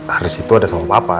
haris itu ada sama papa